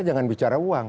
jangan bicara uang